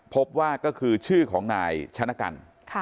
พบว่าก็คือชื่อของนายชนะกัน